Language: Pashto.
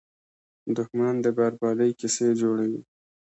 دښمن د بربادۍ کیسې جوړوي